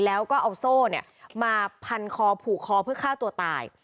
แล้วก็เอาโซ่มาพันคอผูกคอเพื่อฆ่าตัวตาย